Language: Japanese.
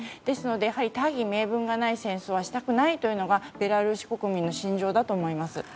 ですので、大義名分がない戦争はしたくないというのがベラルーシ国民の心情だと思います。